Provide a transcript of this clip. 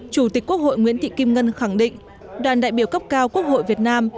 chủ tịch quốc hội nguyễn thị kim ngân khẳng định đoàn đại biểu cấp cao quốc hội việt nam